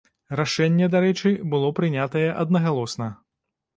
Рашэнне, дарэчы, было прынятае аднагалосна.